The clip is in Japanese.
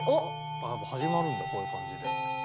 あ何か始まるんだこういう感じで。